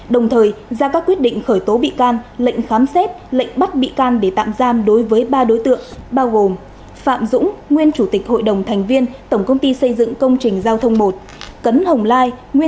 đồng thời ra các quyết định khởi tố bị can lệnh khám xét lệnh bắt bị can để tạm giam đối với ba đối tượng bao gồm phạm dũng nguyên chủ tịch hội đồng thành viên tổng công ty xây dựng công trình giao thông một cấn hồng lai